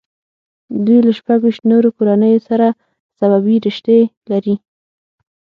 دوی له شپږ ویشت نورو کورنیو سره سببي رشتې لري.